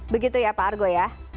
begitu ya pak argo ya